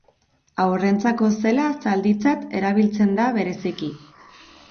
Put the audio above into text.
Haurrentzako zela zalditzat erabiltzen da bereziki.